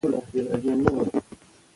په افغانستان کې رسوب ډېر اهمیت لري.